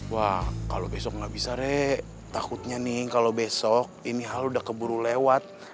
wah kalau besok nggak bisa rek takutnya nih kalau besok ini hal udah keburu lewat